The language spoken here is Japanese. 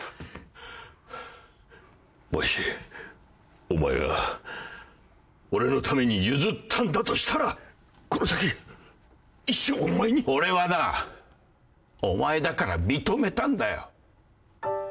もしお前が俺のために譲ったんだとしたらこの先一生お前に。俺はなお前だから認めたんだよ。